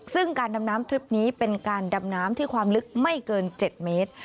ซึ่งการดำน้ำทริปนี้เป็นการดำน้ำที่ความลึกไม่เกิน๗เมตร